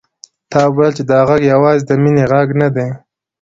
تا به ويل چې دا غږ يوازې د مينې غږ نه دی.